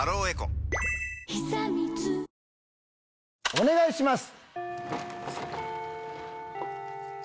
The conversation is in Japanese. お願いします。